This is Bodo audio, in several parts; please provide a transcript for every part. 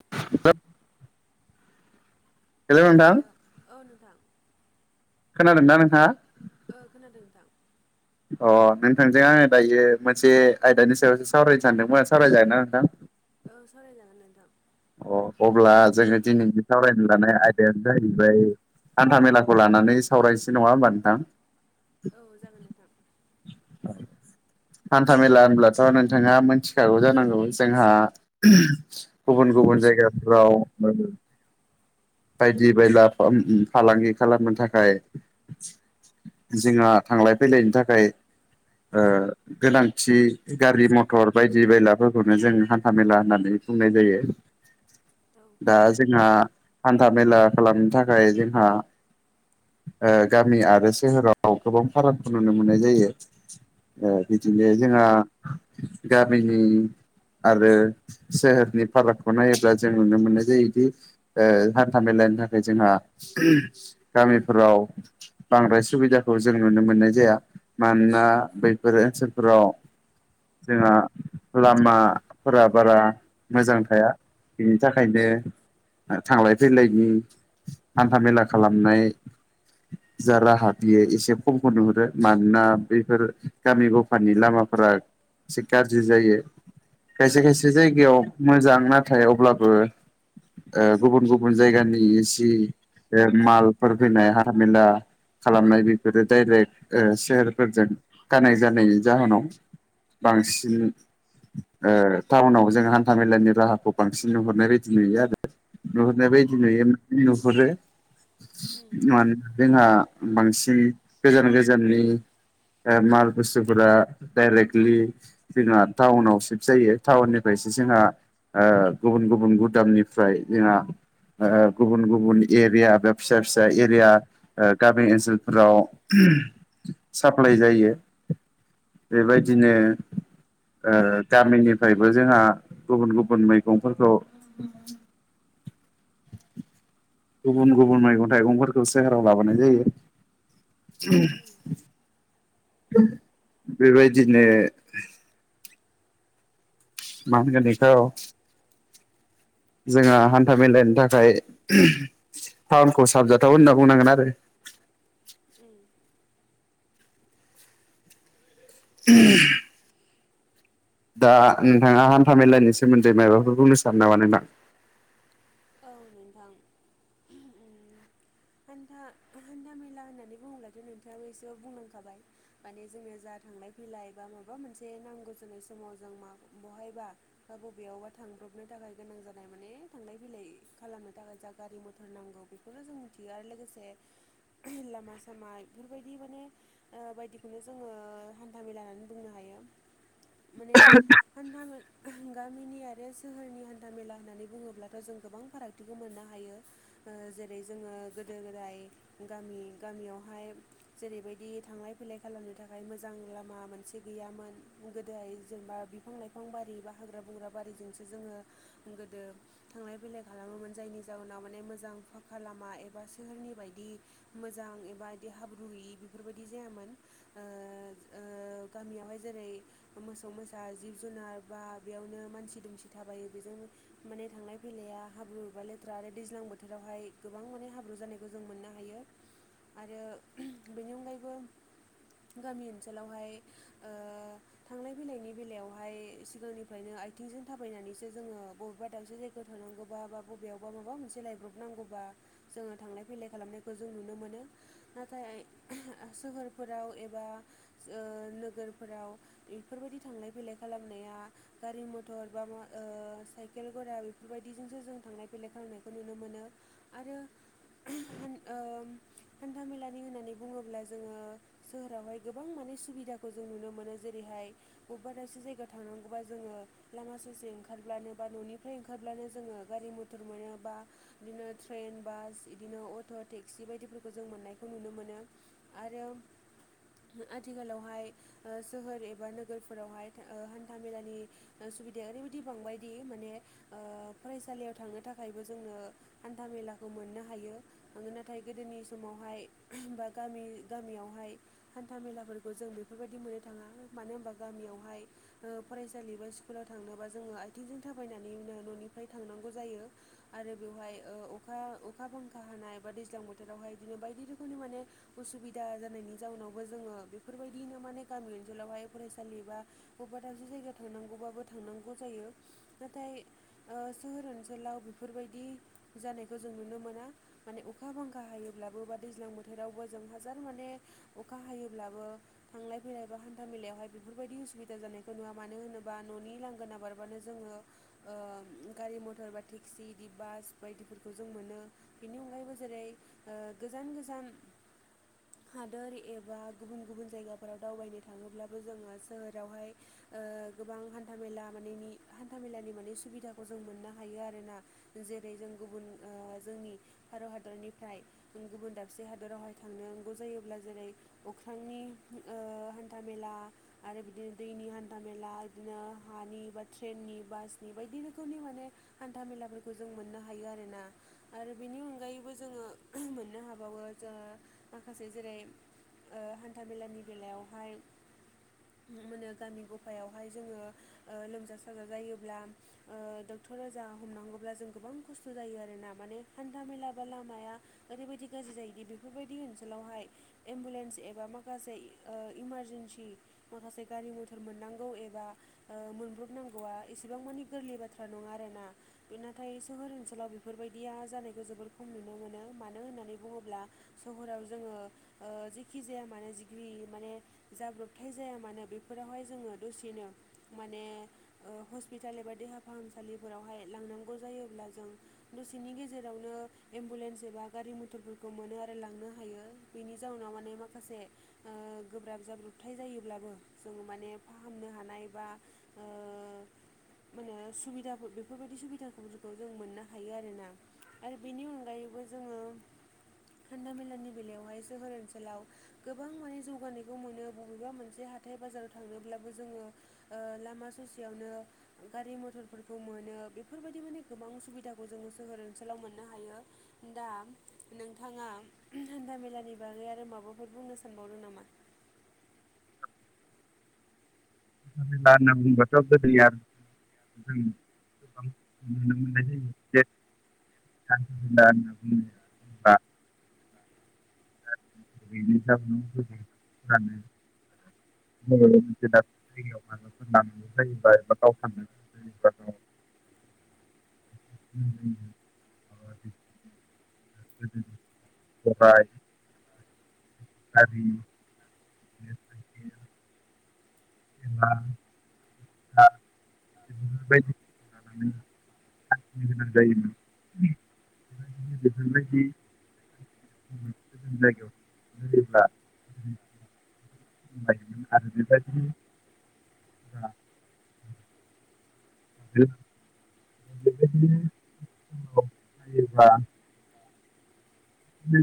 [inaudible] हेलौ! नोंथां। दां। खोनादोंना नोंथांङा? ओ खोनादों नोंथां। अ! नोंथांजों आङो दायो मोनसे आयदानि सायावसो सावरायनो सानदोंमोन सावरायजागोन ना नोंथां? औ सावरायजागोन नोंथां। अ अब्ला जोङो दिनैनि सावरायनो लानाय आयदायानो जाहैबाय। हान्था मेलाखौ लानानै सावरायसै नङा होमबा नोंथां? औ जागोन नोंथां। [inaudible] हान्था मेला होनब्लाथ' नोंथाङा मोनथिखागौ जानांगौ जोंहा गुबुन गुबुन गुबुन जायगाफ्राव बायदि बायला फालांगि खालामनो थाखाय जोंहा थांलाय फैलायनि थाखाय गोनांथि गारि मथर बायदि बायलाफोरखौनो जों हान्था मेला होननानै नाय जायो औ दा जोंहा हान्था मेला खालामनो थाखाय जोंहा गामि आरो सोहोराव गोबां फारागखौ नुनो मोननाय जायो। उम बिदिनो जोंहा गामिनि आरो सोहोरनि फारागखौ नायोब्ला जों नुनो मोननाय जायोदि हान्था मेलानि थाखाय जोंहा गामिफोराव बांद्राय सुबिदाखौ जों नुनो मोननाय जाया मानोना बैफोर ओनसोलफोराव जोंहा लामाफोरा बारा मोजां थाया। बेनि थाखायनो थांलाय फैलायनि हान्था मेला खालामनाय जा राहा बियो एसे खमखौ नुहुरो मानोना बैफोर गामि गफानि लामाफोर सिखार एसे गाज्रि जायो। खायसे खायसे उम जायगायाव मोजां नाथाय अब्लाबो गुबुन गुबुन जायगानि ए सि मालफोर फैनाय हाथामेला खालामनाय बेफोरो डाइरेक्ट सेहेरफोरजों कानेक्ट जानायनि जाहोनाव बांसिन टाउनाव जों हान्था मेलानि राहाखौ बांसिन नुहरनाय बायदि नुयो आरो नुहुरनाय औ उम बायदि नुयो नुहुरो मानोना जोंहा बांसिन गोजान गोजाननि माल बुस्तुफोरा डायरेक्टलि जोंहा टाउनाव सिफ्ट जायो टाउननिफ्राय से जोंहा गुबुन गुबुन गुदामनिफ्राय जोंहा गुबुन गुबुन एरिया बा फिसा फिसा एरिया गामि ओनसोलफोराव साप्लाय जायो बेबायदिनो गामिनिफ्रायबो जोंहा गुबुन गुबुन मैगंफोरखौ गुबुन गुबुन मैगं थाइगंफोरखौ सोहोराव लाबोनाय जायो उम। बेबायदिनो मा होनगोन बिखौ जोंहा हान्था मेेलनि थाखाय फार्नखौ साबजाथाव होनना बुंनांगोन आरो। उम। [unintelligible] दा नोंथाङा हान्था मेलानि सोमोन्दै माबाफोरखौनो सानो नामा नामा। औ नोंथां। हान्था हान्था मेला होननानै बुङोब्लाथ' नोंथाङाबो एसे बुंनांखाबाय माने जोंनो जा थांलाय फैलाय बा माबा मोनसे नांगौ जोनाय समाव जों म बहायबा बा बबेयावबा थां ग्रुपनो थाखाय गोनां जानाय माने थांनाय बिलाइ खालामनो थाखाय जा गारि मथर नांगौ बेखौनो जों मिथियो आरो लोगोसे लामा सामा बेफोरबायदि माने ओ बायदिखौनो जोङो हान्थामेला होननानै बुंनो हायो। माने हान्था मे गामिनि आरो सोहोरनि हान्था मेला होननानै बुङोब्ला जों गोबां फारागथिखौ मोननो हायो ओ जेरै जोङो गोदो गोदाय गामि गा गामियावहाय जेरैबायदि थांलाय फैलाय खालामनो थाखाय मोजां लामा मोनसे गैयामोन। गोदोहाय जेनेबा बिफां लाइफां बारि बा हाग्रा बंग्रा बारिजोंसो जोङो गोदो थांलाय फैलाय खालामोमोन जायनि जााहनाव माने मोजां फाखा लामा एबा सोहोरनि बायदि मोजां रां एबा बिदि हाब्रु गैयि बेफोरबायदि जायामोन ओ ओ गामियावहाय जेरै- मोसौ मोसा जिब जुनार बा बेयावनो मानसि दुमसि थाबायो बेजों माने थांनाय फैलाया हाब्रु एबा लेथ्रा आरो दैज्लां बोथोरावहाय गोबां माने हाब्रु जानायखौ जों मोननो हायो। आरो बेनि अनगायैबो गामि ओनसोलावहाय ओ थांलाय फैलायनि बेलायावहाय सिगांनिफ्रायनो आथिंजों थाबायनानैसोङो बबेबा दाबसे जाय थांनांगौबा बा बबेयावबा माबा मोनसे लायब्रब नांगौबा जोङो थांलाय फैलाय खालामनायखौ जों नुनो मोनो। नाथाय सोहोरफोराव एबा ओ नोगोरफोराव बेफोरबायदि थांलाय फैलाय खालामनाया गारि मटर बा मा ओ साइकेलफोरा बे बेबायदिजोंसो जों थांलाय फैलाय खालामनायखौ नुनो मोनो आरो। ओ हान्थामेलानि होननानै बुङोब्ला जोङो सोहोरावहाय गोबां मान सि सुबिदाखौ जों नुनो मोनो। जेरैहाय बबेबा दाबसे जायगायाव थांनांगौबा जोङो लामा सासे ओं खारब्लानो बा न'निफ्राय ओंखारब्लानो जोङो गारि मथर मोनो बा बिदिनो ट्रेन बास बिदिनो अट' टेक्सि बायदि फोरखौ जों मोननायखौ नुनो मोनो। आरो आथिखालावहाय ओ सोहोर एबा नोगोरफोरावहाय ओ हान्था मेलानि सुबिदाया ओरैबायदि बांबायदि माने [inaudible] फरायसालियाव थांनो थाखायबो जोंनो हान्था मेलाखौ मोननो हायो। मानो नाथाय गोदोनि समाव हाय गामि बा गामियावहाय हान्था मेलाफोरखौ जों बेफोरबायदि मोननो थाङा मानो ओमबा गामियावहाय ओ फरायसालि बा स्कुलाव थांनोबा जोङो आथिंजों थाबायनानैनो न'निफ्राय थांनांगौ जायो। आरो ओ बेवहाय अखा अखा बांखा हानाय बा दैज्लां बोथोरावहाय बायदिनो बायदि रोखोमनि माने असुबिदा जानायनि जाउनावबो जोङो बेफोरबायदिनो माने गामि ओनसोलाव बेहाय फरायसालि बा बबेबा दाबसे जायगायाव थांनांगौबाबो थांनांगौ जायो। नाथाय ओ [inaudible] सोहोर ओनसोलाव बेफोरबायदि जानायखौ जों नुनो मोना माने अखा बांखा हायोब्लाबो बा दैज्लां बोथोरावबो जों हाजार माने अखा हायोब्लाबो थांलाय फैलाय बा हान्था मेलायावहाय बेफोरबायदि उसुबिदा जानायखौ नुवा मानो होनोब्ला न'नि लांगोन बारबानो जोङो ओ [inaudible] गारि मटर बा टेक्सिदि बास बायदिफोरखौ जों मोनो बेनि अनगायैबो जेरै- गोजान गोजान हादोर एबा गुबुन गुबुन जायगाफोराव दावबायनो थाङोब्लाबो जोङो सोहोरावहाय ओ गोबां हान्था मेला माने हान्थ मेलानि माने सुबिदाखौ जों मोननो हायो आरोना। जेरै जों गुबुन जोंनि भारत हादरनिफ्राय गुबुन दाबसे हादरावहाय थांनांगौ जायोब्ला जेरै अख्रांनि ओ हान्था हान्था मेला आरो बिदिनो दैनि हान्था मेला, बिदिनो हानि, बा ट्रेननि बास बायदि रोखोमनि माने हान्था मेलाफोरखौ जों मोननो हायो आरोना आरो बेनि अनगायैबो जोङो ओ मोननो हाबावो जो माखासे जेरै ओ हान्था मेलानि बेलायावहाय नुनो मोनो गामि गफायावहाय जोङो लोमजा साजा जायोब्ला [inaudible] डक्टरा जा हमनांगौब्ला जों गोबां खस्थ' जायो आरोना माने हान्था मेला बा लामाया रैबाय दि गाज्रि जायोदि बेफोरबायदि ओनसोलावहाय एम्बुलेन्स एबा माखासे इमारजेन्सि माखासे गारि मथर मोननांगौ एबा मोनब्रबनांगौआ एसेबां मानि गोरलै बाथ्रा नङा आरोना बे नाथाय सोहोर ओनसोलाव बेफोर बायदिया जानायखौ जोबोर खम नुनो मोनो। मानो होननानै बुङोब्ला सहराव जोङो ओ जेखि जाया मानो जिग्रि माने जाब्रबथाय जाया मानो बेफोरावहाय जोङो दसेनो माने ओ हस्पिटाल एबा देहा फाहामसालिफोरावहाय लांनांगौ जायोब्ला जों दसेनि गेजेरावनो एम्बुलेन्स एबा बा गारि मथरफोरखौ मोनो आरो लांनो हायो बेनि जाउनाव माने माखासे गोब्राब जाब ब्रबथाय जायोब्लाबो जोङो माने फाहामनो हानाय बा ओ माने सुबिदा बेफोरबायदि सुबिदाफोरखौ जों मोननो हायो आरोना आरो बेनि अनगायैबो जोङो हान्था मेलानि बेलायावहाय सोहोर ओनसोलाव गोबां माने जौगानायखौ मोनो बबेबा मोनसे हाथाय बाजाराव थांनोब्लाबो जोङो लामा ससेयावनो गारि मथरफोरखौ मोनो बेफोरबायदि माने गोबां सुबिदाखौ जोङो सोहोर ओनसोलाव मोननो हायो। दा नोंथाङा हान्था मेलानि बागै आरो माबाफोर बुंनो सानबावदों नामा [inaudible] ' [unintelligible] गोबां नुनो मोननाय जायो [unintelligible] [unintelligible] दा जायगायाव माबाफोर लानांगौ जायोबा एबा गावथारनांगौ जायोबा [inaudible] [unintelligible] गारि [unintelligible] बि बायदि लानानैनो गोनां जायोमोन। बेफोरबायदि [unintelligible] [unintelligible] ह [inaudible] [unintelligible] [inaudible] [unintelligible]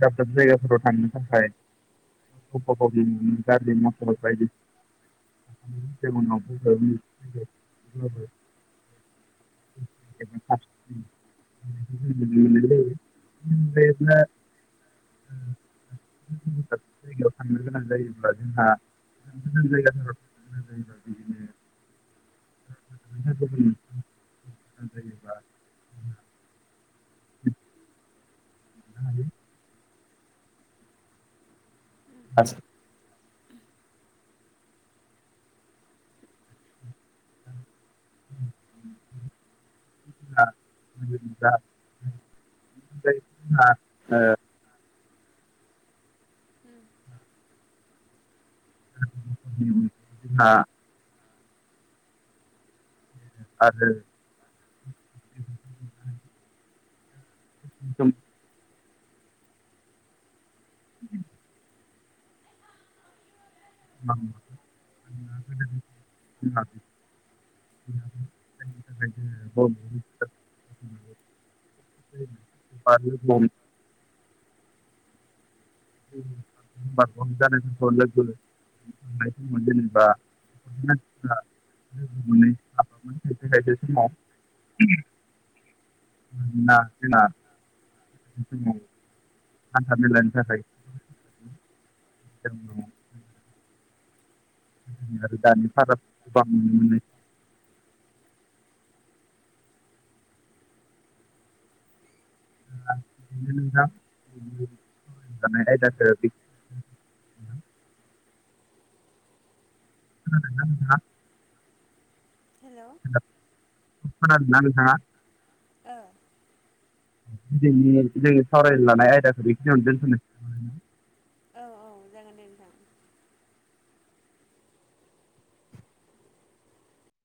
दाब दाब जायगाफोराव थांनो थाखाय गारलि मब गायदि [unintelligible] [unintelligible] [unintelligible] [inaudible] जयाव थांनो गोनां जायोब्ला जोंहा गोजान गोजान जायगाफोर थांनो गोनां जायोब्ला बिदिनो [unintelligible] [unintelligible] जायो [unintelligible] [unintelligible] [unintelligible] [unintelligible] [unintelligible] आरो [inaudible] उ [unintelligible] [unintelligible] [unintelligible] [unintelligible] [unintelligible] जेनेबा [unintelligible] लोगो मोनै खायसे खायसे समाव मोनोना जोंना समाव हान्था मेलानि थाखाय जों गोदोनि आरो दानि फाराग गोबां नुनो मोननाय [unintelligible] आयदाखो [inaudible] खोनादोंना नोंथांआ? हेलौ खोनादोना नोंथांआ ओ दिनिनि जोंनि सावराय लानाय आयदाखौ बेखिनियावनो दोनथ'नोसै ओमबालैय ना? औ औ जागोन दे नोंथां